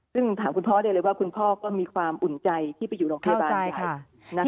ซึ่งถามคุณพ่อได้เลยว่าคุณพ่อก็มีความอุ่นใจที่ไปอยู่โรงพยาบาลใหญ่